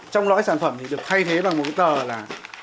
trong lõi sản phẩm thì được thay thế bằng một cái tờ là